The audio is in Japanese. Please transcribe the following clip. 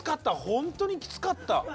本当にきつかった。